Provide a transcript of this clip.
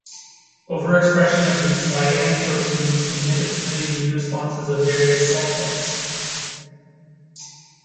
Overexpression of these ligand proteins inhibits the immune responses of various cell types.